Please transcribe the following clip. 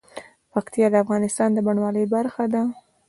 پکتیا د افغانستان د بڼوالۍ برخه ده.